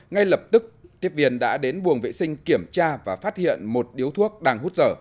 ngay lập tức tiếp viên đã đến buồng vệ sinh kiểm tra và phát hiện một điếu thuốc đang hút dở